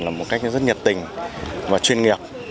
làm một cách rất nhiệt tình và chuyên nghiệp